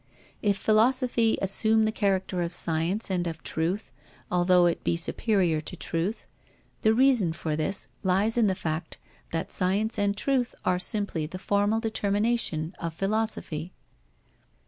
If philosophy assume the character of science and of truth, although it be superior to truth, the reason for this lies in the fact that science and truth are simply the formal determination of philosophy.